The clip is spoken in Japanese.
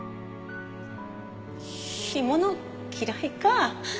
干物嫌いか。